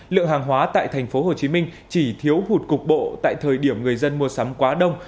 lượng hàng hóa tại tp hcm chỉ thiếu hụt cục bộ tại thời điểm người dân mua sắm quá đông